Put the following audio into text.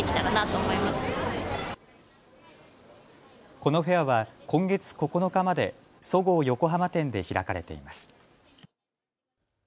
このフェアは今月９日までそごう横浜店で開かれています。